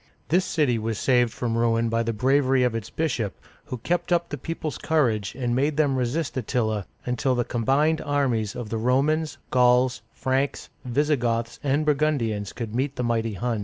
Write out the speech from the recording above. This city was saved from ruin by the bravery of its bishop, who kept up the people's courage and made them resist Attila, until the combined armies of the Romans, Gauls, Franks, Visigoths, and Burgundians could meet the mighty Huns.